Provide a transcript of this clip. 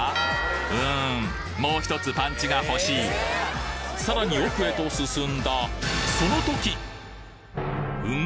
うんもうひとつパンチがほしいさらに奥へと進んだん？